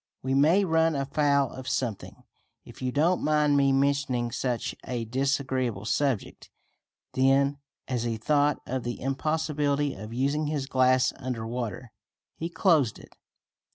"We may run afoul of something, if you don't mind me mentioning such a disagreeable subject." Then, as he thought of the impossibility of using his glass under water, he closed it.